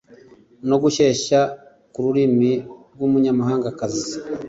No gushyeshya ku ururimi rwumunyamahangakazi